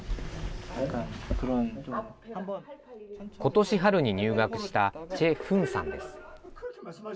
ことし春に入学したチェ・フンさんです。